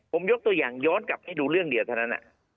ผมยกตัวอย่างย้อนกลับให้ดูเรื่องเดียวเท่านั้น